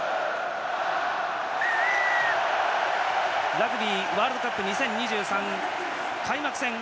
ラグビーワールドカップ２０２３開幕戦